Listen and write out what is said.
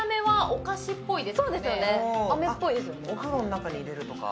お風呂の中に入れるとか？